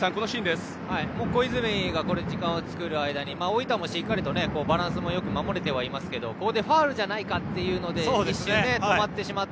小泉が時間を作る間に大分もバランスよく守れていますけどファウルじゃないかというので一瞬止まってしまって。